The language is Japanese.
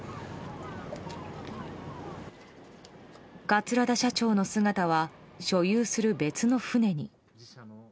桂田社長の姿は所有する別の船に。